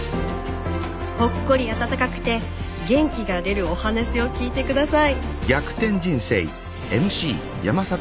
ほっこり温かくて元気が出るお話を聞いて下さい。